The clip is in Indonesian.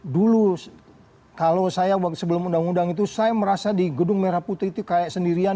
dulu kalau saya sebelum undang undang itu saya merasa di gedung merah putih itu kayak sendirian